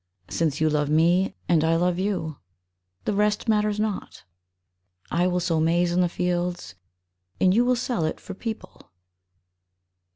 Since you love me and I love you The rest matters not ; I will sow maize in the fields And you will sell it for people.